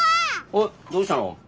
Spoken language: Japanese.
おっどうしたの？